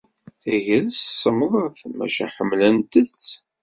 Tagrest semmḍet, maca ḥemmlent-tt.